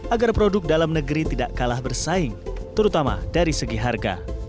agar produk dalam negeri tidak kalah bersaing terutama dari segi harga